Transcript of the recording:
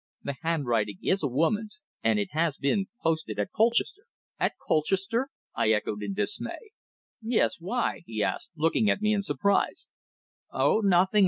The handwriting is a woman's, and it has been posted at Colchester." "At Colchester!" I echoed in dismay. "Yes, why?" he asked, looking at me in surprise. "Oh, nothing.